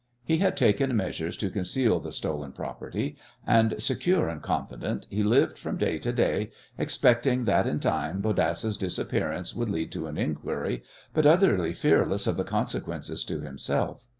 He had taken measures to conceal the stolen property, and, secure and confident, he lived from day to day, expecting that in time Bodasse's disappearance would lead to an inquiry, but utterly fearless of the consequences to himself.